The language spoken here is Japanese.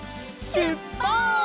しゅっぱつ！